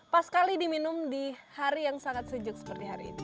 pas sekali diminum di hari yang sangat sejuk seperti hari ini